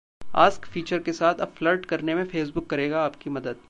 'ask' feature के साथ अब 'फ्लर्ट' करने में फेसबुक करेगा आपकी मदद